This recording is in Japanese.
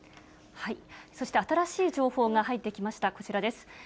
そして新しい情報が入ってきました、こちらです。